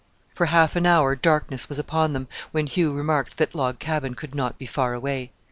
For half an hour darkness was upon them, when Hugh remarked that Log Cabin could not be far away.